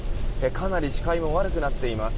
かなり視界も悪くなっています。